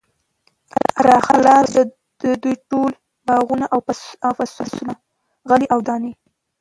را خلاص شو، د دوی ټول باغونه او فصلونه، غلې او دانې